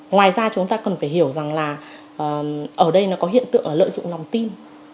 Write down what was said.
ngoài ra chúng ta cần phải hiểu rằng là ở đây nó có hiện tượng lợi dụng lòng tin